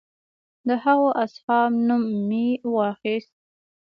د هغو اصحابو نوم مې واخیست.